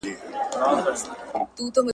پر مځکي باندي واوره وورېده.